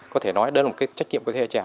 có thể nói đó là một trách nhiệm của thế hệ trẻ